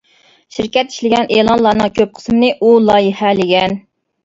شىركەت ئىشلىگەن ئېلانلارنىڭ كۆپ قىسمىنى ئۇ لايىھەلىگەن.